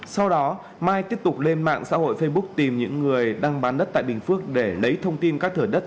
sau đó mai tiếp tục lên mạng xã hội facebook tìm những người đang bán đất tại bình phước để lấy thông tin các thửa đất